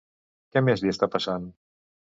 Què més li està passant?